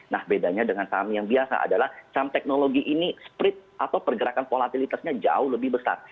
nah bedanya dengan saham yang biasa adalah saham teknologi ini split atau pergerakan volatilitasnya jauh lebih besar